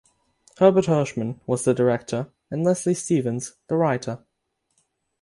Herbert Hirschman was the director and Leslie Stevens the writer.